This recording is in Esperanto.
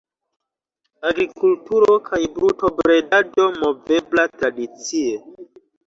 Agrikulturo kaj brutobredado movebla tradicie.